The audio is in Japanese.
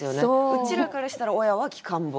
うちらからしたら親はきかん坊。